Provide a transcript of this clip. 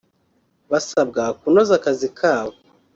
basabwa kunoza akazi kabo